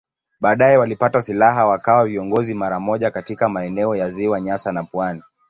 Baadaye walipata silaha wakawa viongozi mara moja katika maeneo ya Ziwa Nyasa na pwani.